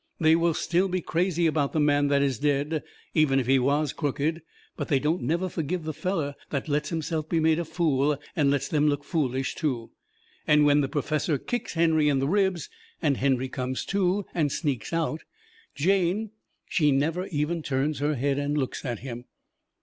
They will still be crazy about the man that is dead, even if he was crooked. But they don't never forgive the fellow that lets himself be made a fool and lets them look foolish, too. And when the perfessor kicks Henry in the ribs, and Henry comes to and sneaks out, Jane, she never even turns her head and looks at him.